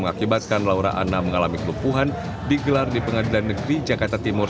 mengakibatkan laura anna mengalami kelupuhan digelar di pengadilan negeri jakarta timur